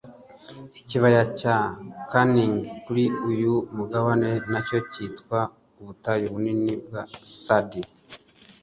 Ikibaya cya Canning kuri uyu mugabane nacyo cyitwa Ubutayu bunini bwa Sandy